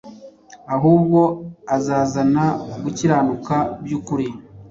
ahubwo azazana gukiranuka by’ukuri.